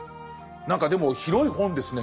何かでも広い本ですね。